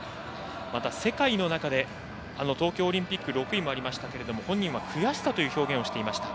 また、世界の中で東京オリンピック６位もありましたが本人は悔しさと表現していました。